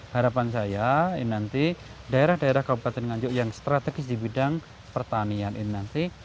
harapan saya ini nanti daerah daerah kabupaten nganjuk yang strategis di bidang pertanian